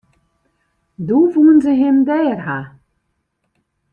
Doe woenen se him dêr ha.